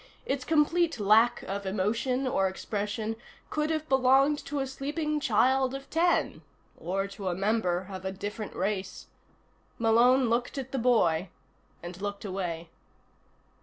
Its complete lack of emotion or expression could have belonged to a sleeping child of ten or to a member of a different race. Malone looked at the boy, and looked away.